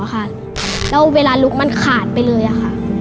แล้วเวลาลุกมันขาดไปเลยค่ะ